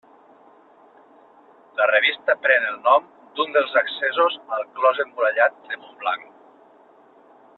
La revista pren el nom d'un dels accessos al clos emmurallat de Montblanc.